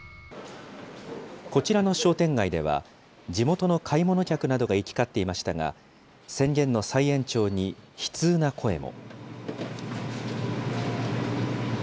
こちらの商店街では、地元の買い物客などが行き交っていましたが、宣言の再延長に悲痛な声も。